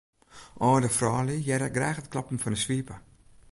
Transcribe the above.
Alde fuorlju hearre graach it klappen fan 'e swipe.